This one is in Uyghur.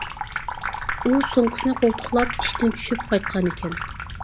ئۇ سومكىسىنى قولتۇقلاپ ئىشتىن چۈشۈپ قايتقانىكەن.